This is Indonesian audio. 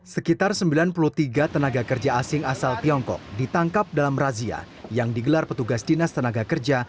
sekitar sembilan puluh tiga tenaga kerja asing asal tiongkok ditangkap dalam razia yang digelar petugas dinas tenaga kerja